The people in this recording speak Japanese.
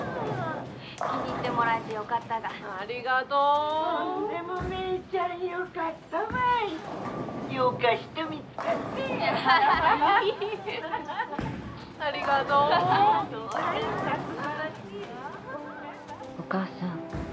気に入ってもらえてよかったがありがとうほんでもメイちゃんよかったばいよか人見つかってありがとうデザインが素晴らしい「お母さん」